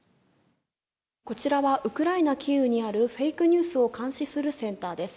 こちらはウクライナ・キーウにあるフェイクニュースを監視するセンターです。